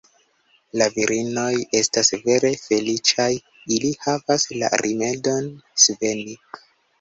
La virinoj estas vere feliĉaj: ili havas la rimedon sveni.